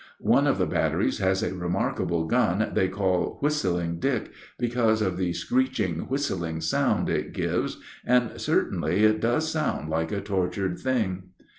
One of the batteries has a remarkable gun they call "Whistling Dick," because of the screeching, whistling sound it gives, and certainly it does sound like a tortured thing.